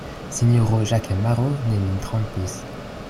Sinjoro Ĵakemaro ne min trompis!